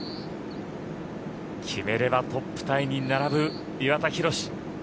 決めればトップタイに並ぶ岩田寛。